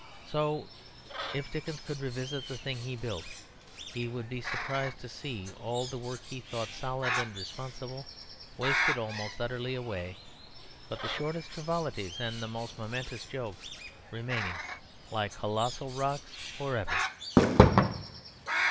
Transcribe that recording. So if Dickens could revisit the thing he built, he would be surprised to see all the work he thought solid and responsible wasted almost utterly away, but the shortest frivolities and the most momentary jokes remaining like colossal rocks for ever.